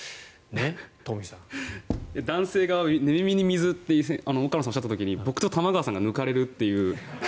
男性が寝耳に水って岡野さんがおっしゃった時に僕と玉川さんが抜かれるという。